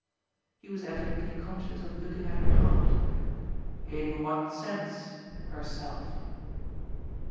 He was evidently conscious of looking at her hard. "In what sense herself?"